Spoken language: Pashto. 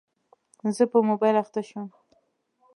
زه په موبایل اخته شوم.